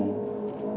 merupakan pimpinan yang